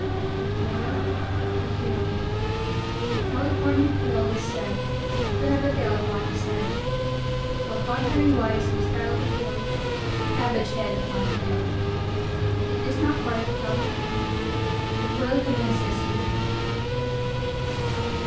The Quail. The Kale. [Illustration: The Quail. The Kale.] The California Quail is said To have a tail upon his head, While contrary wise we style the Kale, A cabbage head upon a tail. It is not hard to tell the two, The Quail commences with a queue.